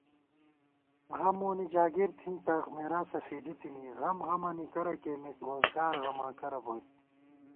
غم مونی جاگِیر تھنی تہ، مېراثہ فېدِی تِنی * غم غَمَنی کرہ کېئیمېت ووزگارغماں کرہ بوئیت